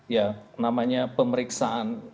ya namanya pemeriksaan